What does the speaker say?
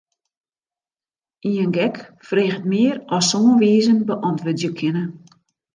Ien gek freget mear as sân wizen beäntwurdzje kinne.